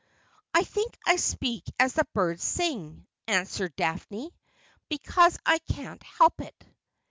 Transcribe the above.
' I think I speak as the birds sing,' answered Daphne, 'be cause I can't help it.'